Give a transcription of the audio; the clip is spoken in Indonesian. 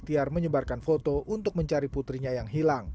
tiar menyebarkan foto untuk mencari putrinya yang hilang